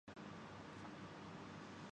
چین سان یوان نے یہ گیم اپنے بھائی سے سیکھی تھی